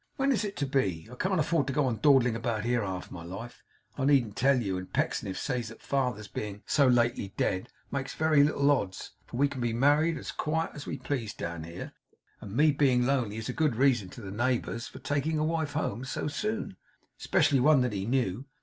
'When is it to be? I can't afford to go on dawdling about here half my life, I needn't tell you, and Pecksniff says that father's being so lately dead makes very little odds; for we can be married as quiet as we please down here, and my being lonely is a good reason to the neighbours for taking a wife home so soon, especially one that he knew.